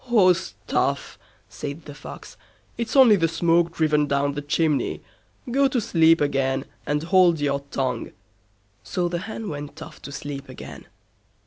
"Oh, stuff", said the Fox; "it's only the smoke driven down the chimney; go to sleep again, and hold your tongue." So the Hen went off to sleep again.